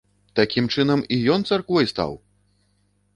Такім чынам і ён царквой стаў!!!